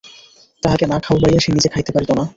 তাহাকে না খাওয়াইয়া সে নিজে খাইতে পারিত না।